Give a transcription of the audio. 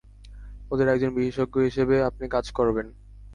ওদের একজন বিশেষজ্ঞ হিসেবে আপনি কাজ করবেন।